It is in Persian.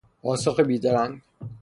پاسخ بیدرنگ